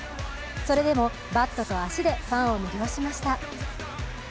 それでもバットと足でファンを魅了しました。